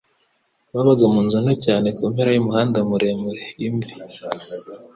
Babaga munzu nto cyane kumpera yumuhanda muremure, imvi.